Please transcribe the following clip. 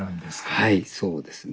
はいそうですね。